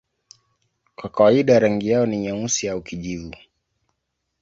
Kwa kawaida rangi yao ni nyeusi au kijivu.